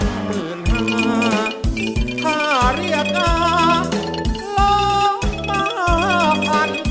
ตื่นหาข้าเรียกอาล้อมมาพัน